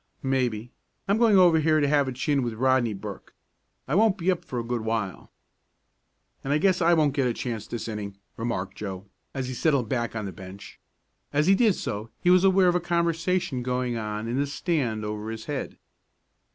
"Maybe. I'm going over here to have a chin with Rodney Burke. I won't be up for a good while." "And I guess I won't get a chance this inning," remarked Joe, as he settled back on the bench. As he did so he was aware of a conversation going on in the stand over his head.